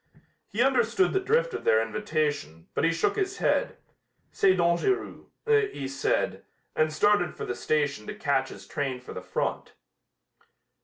He understood the drift of their invitation, but he shook his head. "C'est dangéreux," he said, and started for the station to catch his train for the front.